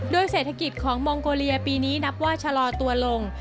เศรษฐกิจของมองโกเลียปีนี้นับว่าชะลอตัวลง